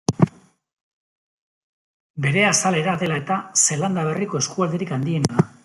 Bere azalera dela eta Zeelanda Berriko eskualderik handiena da.